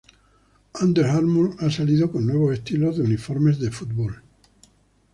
Under Armour ha salido con nuevos estilos de uniformes de fútbol.